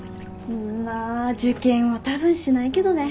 まあ受験はたぶんしないけどね。